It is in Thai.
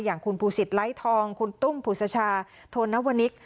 อย่างคุณภูสิทธิ์ไลทองคุณตุ้มภูสชาโทนวนิก